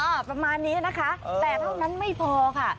ประมาณนี้นะคะแต่เท่านั้นไม่พอค่ะ